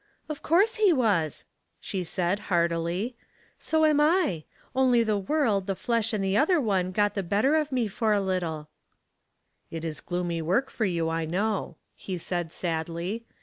" Of course he was," she said, heartily. " So am I — only the world, the flesh and the othei one got the better of me for a little." 22 338 Household Puzzles, "It is gloomy work for you, I know/' he said, sadly.